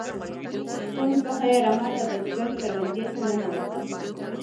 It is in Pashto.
شپون څخه یې رمه د بزگر کروندې ته ننوته.